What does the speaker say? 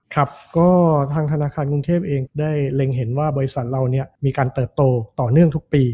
ครับก็ทางธนาคารกรุงเทพเองได้เล็งเห็นว่าบริษัทเราเนี่ยมีการเติบโตต่อเนื่องทุกปี